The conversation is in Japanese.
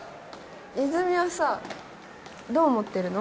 泉はさどう思ってるの？